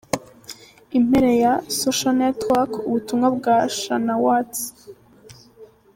Impera ya {socialnetworck} ubutumwa bwa shanannwatts.